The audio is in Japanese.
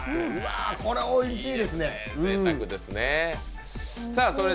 これおいしいですね。